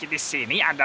sindik katin dirapses